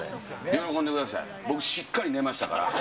喜んでください、僕、しっかり寝ましたから。